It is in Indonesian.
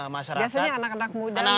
biasanya anak anak muda mereka jauh lebih sana